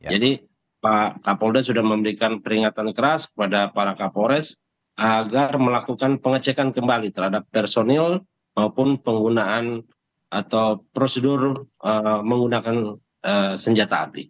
jadi pak kapolda sudah memberikan peringatan keras kepada para kapolres agar melakukan pengecekan kembali terhadap personil maupun penyelenggara